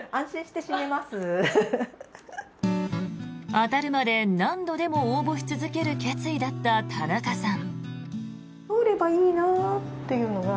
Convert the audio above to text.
当たるまで何度でも応募し続ける決意だった田中さん。